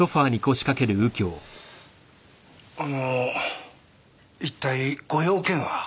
あの一体ご用件は？